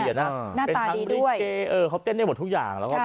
เป็นทางริเกเขาเต้นได้หมดทุกอย่าง